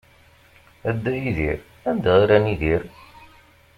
A Dda Yidir anda ara nidir?